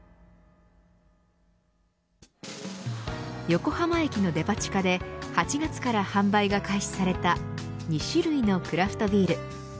横浜駅のデパ地下で８月から販売が開始された２種類のクラフトビール。